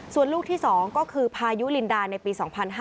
ส่วนลูกที่๒ก็คือพายุลินดาในปี๒๕๕๙